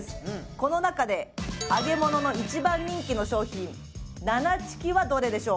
この中で揚げ物の一番人気の商品ななチキはどれでしょう？